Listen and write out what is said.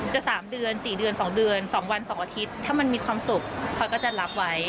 ๓เดือน๔เดือน๒เดือน๒วัน๒อาทิตย์ถ้ามันมีความสุขพลอยก็จะรับไว้